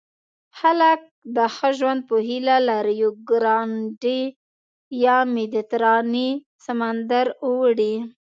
خلک د ښه ژوند په هیله له ریوګرانډي یا مدیترانې سمندر اوړي.